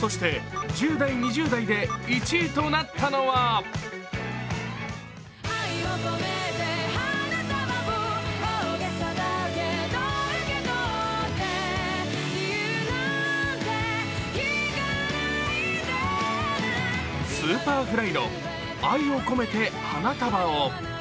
そして１０代、２０代で１位となったのがＳｕｐｅｒｆｌｙの「愛をこめて花束を」。